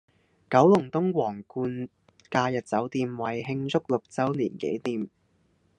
九龍東皇冠假日酒店為慶祝六週年紀念